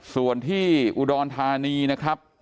ส่วนที่อุดรธานีนะครับ